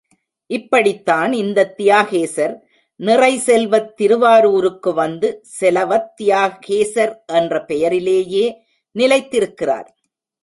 இப்படித்தான் இந்தத் தியாகேசர், நிறை செல்வத் திருவாரூருக்கு வந்து செலவத் தியாகேசர் என்ற பெயரிலேயே நிலைத்திருக்கிறார்.